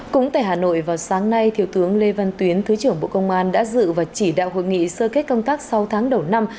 cũng tại hà nội vào sáng nay thiếu tướng lê văn tuyến thứ trưởng bộ công an đã dự và chỉ đạo hội nghị sơ kết công tác sáu tháng đầu năm